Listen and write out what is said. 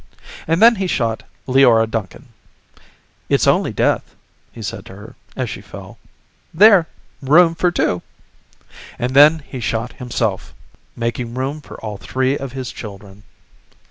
And then he shot Leora Duncan. "It's only death," he said to her as she fell. "There! Room for two." And then he shot himself, making room for all three of his children.